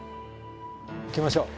行きましょう。